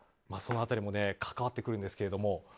その辺りも関わってくるんですけど。